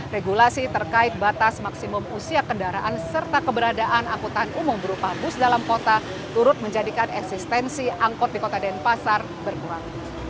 regulasi terkait batas maksimum usia kendaraan serta keberadaan angkutan umum berupa bus dalam kota turut menjadikan eksistensi angkot di kota denpasar berkurang